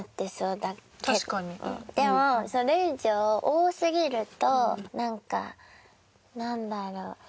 でもそれ以上多すぎるとなんかなんだろう。